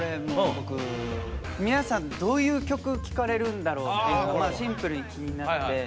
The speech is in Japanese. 皆さんどういう曲聴かれるんだろうっていうのシンプルに気になって。